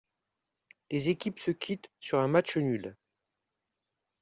Les équipes se quittent sur un match nul.